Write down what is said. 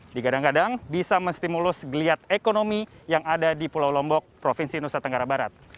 digadang gadang bisa menstimulus geliat ekonomi yang ada di pulau lombok provinsi nusa tenggara barat